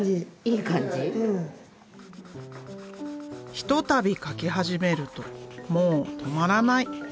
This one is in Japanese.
ひとたび描き始めるともう止まらない。